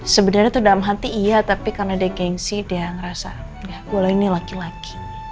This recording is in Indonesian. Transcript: sebenarnya tuh dalam hati iya tapi karena dia gengsi dia ngerasa gak boleh nih laki laki